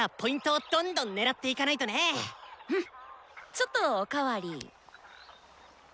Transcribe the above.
ちょっとお代わり。